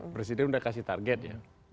presiden sudah kasih target ya